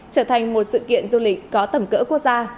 trở thành một sự kiện du lịch có tầm cỡ quốc gia